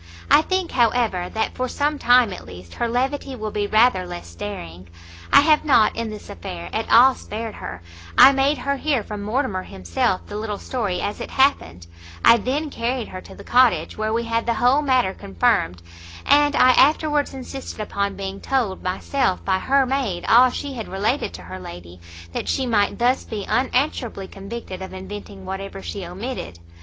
I think, however, that, for some time at least, her levity will be rather less daring. I have not, in this affair, at all spared her; I made her hear from Mortimer himself the little story as it happened; I then carried her to the cottage, where we had the whole matter confirmed; and I afterwards insisted upon being told myself by her maid all she had related to her lady, that she might thus be unanswerably convicted of inventing whatever she omitted.